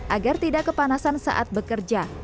agar tidak kepanasan saat bekerja